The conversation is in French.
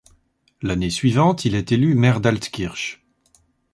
L'année suivante, il est élu maire d'Altkirch.